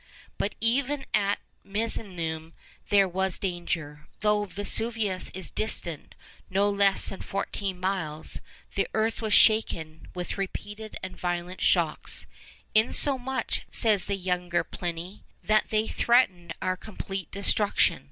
But even at Misenum there was danger, though Vesuvius is distant no less than fourteen miles. The earth was shaken with repeated and violent shocks, 'insomuch,' says the younger Pliny, 'that they threatened our complete destruction.